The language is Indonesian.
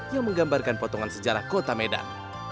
yang menggambarkan potongan sejarah kota medan